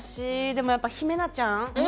でもやっぱヒメナちゃん。